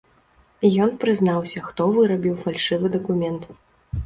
Ён прызнаўся, хто вырабіў фальшывы дакумент.